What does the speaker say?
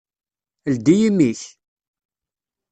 Ldi imi-k!